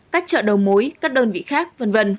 các chợ đầu mối các đơn vị khác v v